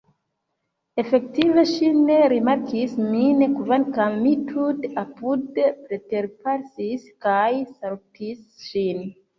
Efektive ŝi ne rimarkis min, kvankam mi tute apude preterpasis kaj salutis ŝin.